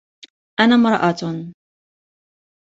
أنا امرأةٌ.